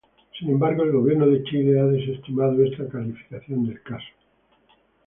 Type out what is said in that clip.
Sin embargo el Gobierno de Chile ha desestimado esta calificación del caso.